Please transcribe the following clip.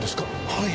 はい。